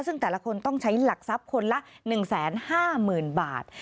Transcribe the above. ซึ่งแต่ละคนต้องใช้หลักทรัพย์คนละ๑๕๐๐๐บาท